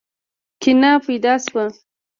کینه پیدا شوه.